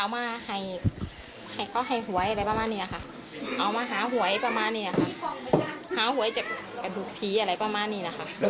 ไม่ใช่ค่ะ